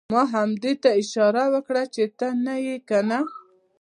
ما همده ته اشاره وکړه چې دا ته یې کنه؟!